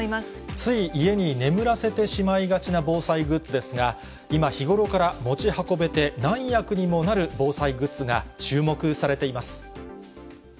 つい家に眠らせてしまいがちな防災グッズですが、今、日頃から持ち運べて、何役にもなる防災グッズが注目されています。